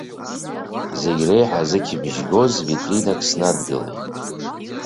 Зегь реиҳа зықьбжьы гоз ветринак снадгылеит.